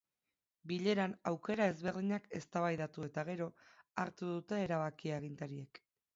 Bileran aukera ezberdinak eztabaidatu eta gero hartu dute erabakia agintariek.